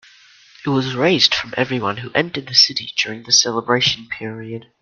It was raised from everyone who entered the city during the celebration period.